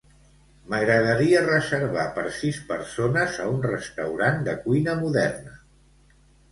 M'agradaria reservar per sis persones a un restaurant de cuina moderna.